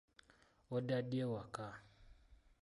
Odda ddi ewaka?